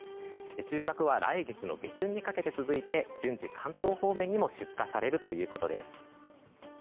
収穫は来月の下旬にかけて続いて順次、関東方面にも出荷されるということです。